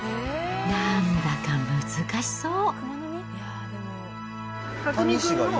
なんだか難しそう。